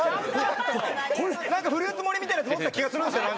何かフルーツ盛りみたいなやつ持ってた気がするんですよ。